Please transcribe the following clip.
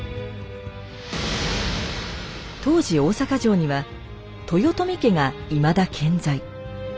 当時大坂城には豊臣家がいまだ健在。